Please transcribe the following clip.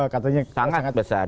katanya sangat besar